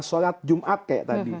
solat jumat kayak tadi